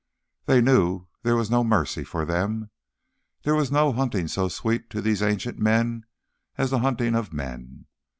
They knew there was no mercy for them. There was no hunting so sweet to these ancient men as the hunting of men.